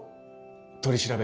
取り調べは。